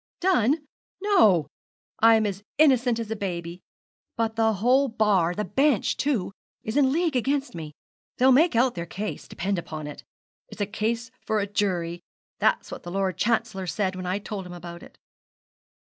'Done! no, I am as innocent as a baby; but the whole Bar the Bench too is in league against me. They'll make out their case, depend upon it. "It's a case for a jury;" that's what the Lord Chancellor said when I told him about it.'